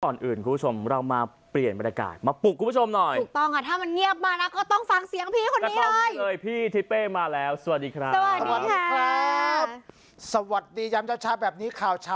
ตอนอื่นคุณผู้ชมเรามาเปลี่ยนบริกายมาปลูกคุณผู้ชมหน่อย